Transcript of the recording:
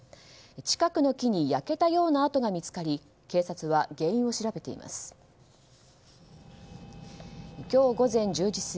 近くの木に焼けたような跡が見つかり警察は原因を調べています。